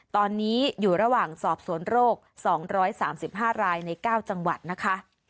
ตอนนี้อยู่ระหว่างสอบสวนโรค๒๓๕รายใน๙จังหวัดนะคะ